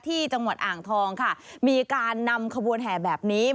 ที่จังหวัดอ่างทองค่ะมีการนำขบวนแห่แบบนี้